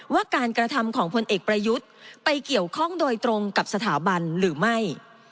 ว่าการกระทำของพลเอกประยุทธ์ไปเกี่ยวข้องโดยตรงกับสถาบันหรือไม่